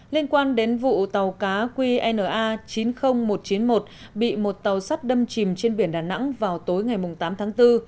liên quan đến vụ tàu cá qna chín mươi nghìn một trăm chín mươi một bị một tàu sắt đâm chìm trên biển đà nẵng vào tối ngày tám tháng bốn